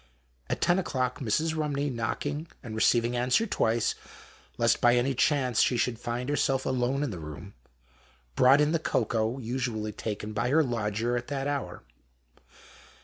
At ten o'clock, Mrs. Rumney, knocking and re ceiving answer twice, lest by any chance she should find herself alone in the rcfom, brought in the cocoa usually taken by her lodger at that hour.